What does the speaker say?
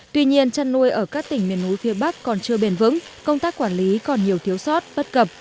tuy nhiên chăn nuôi ở các tỉnh miền núi phía bắc còn chưa bền vững công tác quản lý còn nhiều thiếu sót bất cập